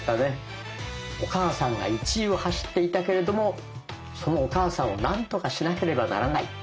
お母さんが１位を走っていたけれどもそのお母さんを何とかしなければならない。